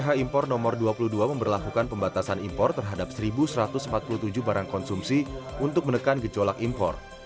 pemerintah impor nomor dua puluh dua memperlakukan pembatasan impor terhadap satu satu ratus empat puluh tujuh barang konsumsi untuk menekan gejolak impor